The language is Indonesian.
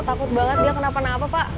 takut banget dia kenapa napa pak